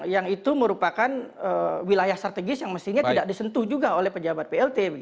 yang itu merupakan wilayah strategis yang mestinya tidak disentuh juga oleh pejabat plt